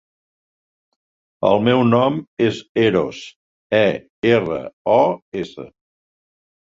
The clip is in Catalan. El meu nom és Eros: e, erra, o, essa.